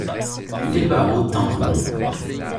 Les barreaux tinrent bon.